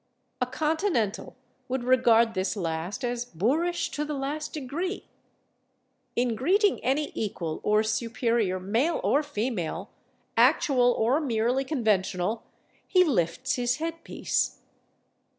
A Continental would regard this last as boorish to the last degree; in greeting any equal or superior, male or female, actual or merely conventional, he lifts his head piece.